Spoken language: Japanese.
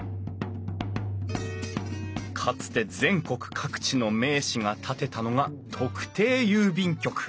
かつて全国各地の名士が建てたのが特定郵便局。